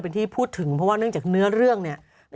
เป็นที่พูดถึงเพราะว่าเนื่องจากเนื้อเรื่องเนี่ย